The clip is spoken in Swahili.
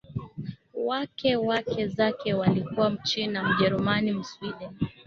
wake Wake zake walikuwa Mchina Mjerumani Msweden